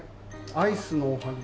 アイスのおはぎ。